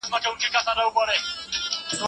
ايا دغه مبارک آیت زما په اړه دی؟